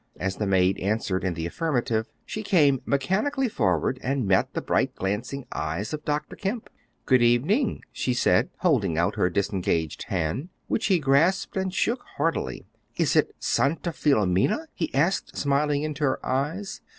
As the maid answered in the affirmative, she came mechanically forward and met the bright glancing eyes of Dr. Kemp. "Good evening," she said, holding out her disengaged hand, which he grasped and shook heartily. "Is it Santa Filomena?" he asked, smiling into her eyes.